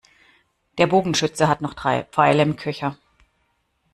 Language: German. Der Bogenschütze hat noch drei Pfeile im Köcher.